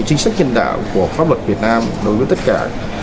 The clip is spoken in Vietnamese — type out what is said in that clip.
chính sách nhân đạo của pháp luật việt nam đối với tất cả